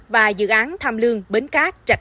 và dự án tham lương bến cát